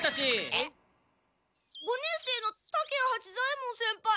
五年生の竹谷八左ヱ門先輩？